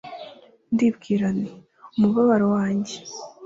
Ndibwira nti Umubabaro wanjye